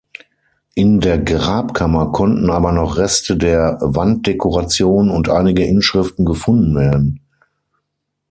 In der Grabkammer konnten aber noch Reste der Wanddekoration und einige Inschriften gefunden werden.